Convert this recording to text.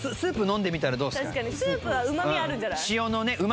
確かにスープは旨みあるんじゃない？